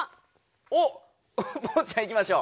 おっポンちゃんいきましょう。